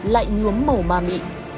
lại nhuống màu ma mị